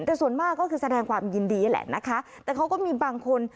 แต่ส่วนมากก็คือแสดงความยินดีนี่แหละนะคะแต่เขาก็มีบางคน